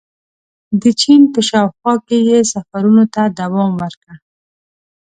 • د چین په شاوخوا کې یې سفرونو ته دوام ورکړ.